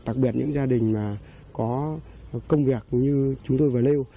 đặc biệt những gia đình có công việc như chúng tôi và lêu